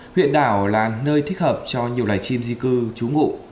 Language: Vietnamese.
huyện đảo là nơi thích hợp cho nhiều loài chim di cư trú ngụ